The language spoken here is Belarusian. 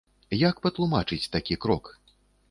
Як патлумачыць такі крок?